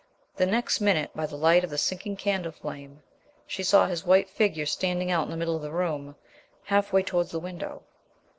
The next minute, by the light of the sinking candle flame, she saw his white figure standing out in the middle of the room, half way towards the window.